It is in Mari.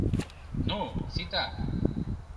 Ну, сита.